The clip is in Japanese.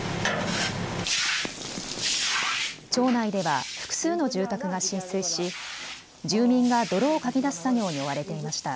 町内では複数の住宅が浸水し住民が泥をかき出す作業に追われていました。